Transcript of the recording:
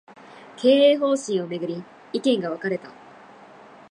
経営方針を巡り、意見が分かれた